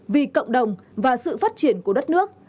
vì cộng đồng và sự phát triển của đất nước